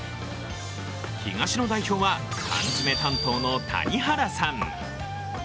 東の代表は缶詰担当の谷原さん。